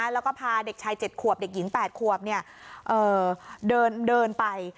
แล้วก็พาเด็กชาย๗ขวบเด็กหญิง๘ขวบเดินไป